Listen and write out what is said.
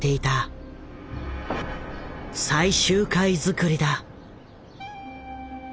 最終回作りだ。